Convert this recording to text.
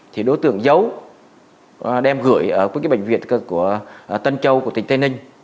thì đối tượng giấu đem gửi ở cái bệnh viện của tân châu của tỉnh tây ninh